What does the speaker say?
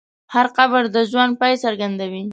هر قبر د ژوند پای څرګندوي.